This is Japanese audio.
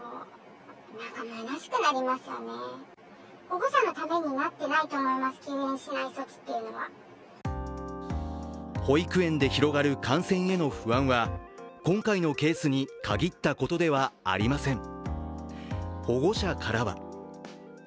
保育園で広がる感染への不安は今回のケースに限ったことではありません。